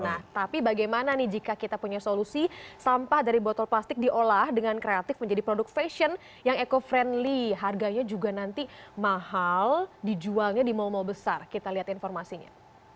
nah tapi bagaimana nih jika kita punya solusi sampah dari botol plastik diolah dengan kreatif menjadi produk fashion yang eco friendly harganya juga nanti mahal dijualnya di mal mal besar kita lihat informasinya